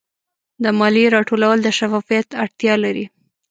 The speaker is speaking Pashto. د مالیې راټولول د شفافیت اړتیا لري.